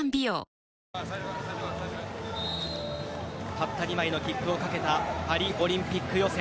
たった２枚の切符を懸けたパリオリンピック予選。